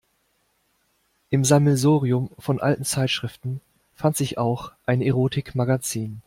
Im Sammelsurium von alten Zeitschriften fand sich auch ein Erotikmagazin.